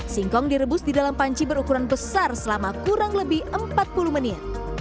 singkong direbus di dalam panci berukuran besar selama kurang lebih empat puluh menit